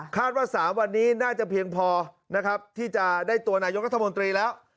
ว่า๓วันนี้น่าจะเพียงพอนะครับที่จะได้ตัวนายกรัฐมนตรีแล้ว